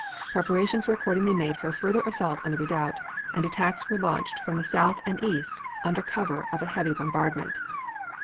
Preparations were accordingly made for a further assault on the redoubt, and attacks were launched from the south and east under cover of a heavy bombardment.